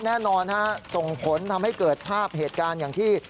แน่นอนฮะส่งผลทำให้เกิดภาพเหตุการณ์อย่างที่